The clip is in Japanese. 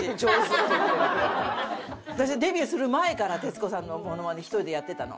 私はデビューする前から徹子さんのモノマネ１人でやってたの。